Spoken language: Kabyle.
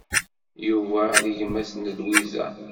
Yuba d gma-s n Lwiza.